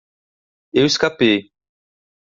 Eu escapei